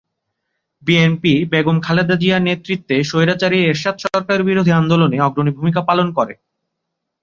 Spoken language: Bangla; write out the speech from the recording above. বিএনপি বেগম খালেদা জিয়ার নেতৃত্বে স্বৈরাচারী এরশাদ সরকার বিরোধী আন্দোলনে অগ্রণী ভূমিকা পালন করে।